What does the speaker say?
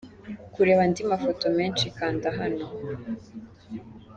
Kureba andi mafoto menshi kanda hano.